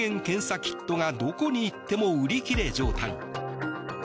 キットがどこに行っても売り切れ状態。